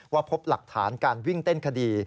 พบหลักฐานการวิ่งเต้นคดี